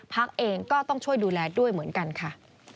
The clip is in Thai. เองก็ต้องช่วยดูแลด้วยเหมือนกันค่ะ